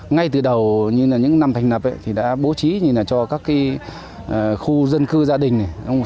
ngay từ đầu những năm thành lập đã bố trí cho các khu dân cư gia đình